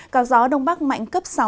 có gió đông bắc mạnh cấp sáu